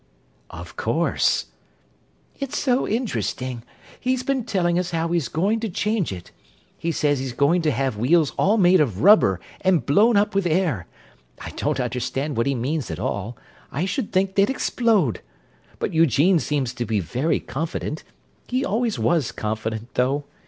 "Of course!" "It's so interesting! He's been telling us how he's going to change it. He says he's going to have wheels all made of rubber and blown up with air. I don't understand what he means at all; I should think they'd explode—but Eugene seems to be very confident. He always was confident, though.